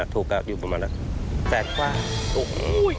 ถูกค่ะอยู่ประมาณเนี่ย